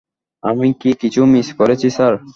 আমি কি কিছু মিস করেছি, স্যার?